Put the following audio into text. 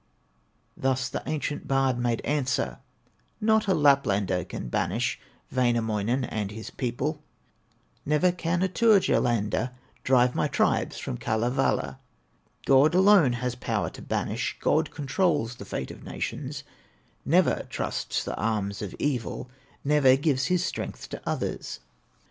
Thus the ancient bard made answer: "Not a Laplander can banish Wainamoinen and his people; Never can a Turyalander Drive my tribes from Kalevala; God alone has power to banish, God controls the fate of nations, Never trusts the arms of evil, Never gives His strength to others.